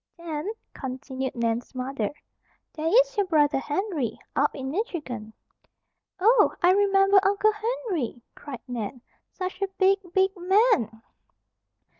"Then," continued Nan's mother, "there is your brother, Henry, up in Michigan." "Oh! I remember Uncle Henry," cried Nan. "Such a big, big man!"